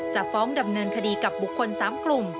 จะฟ้องดำเนินคดีกับบุคคล๓กลุ่ม